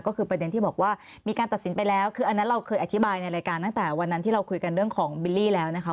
ก็คือประเด็นที่บอกว่ามีการตัดสินไปแล้วคืออันนั้นเราเคยอธิบายในรายการตั้งแต่วันนั้นที่เราคุยกันเรื่องของบิลลี่แล้วนะคะ